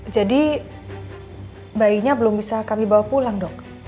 jadi bayinya belum bisa kami bawa pulang dok